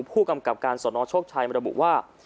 ผู้กำกับการสนโชคชัยมระบุว่า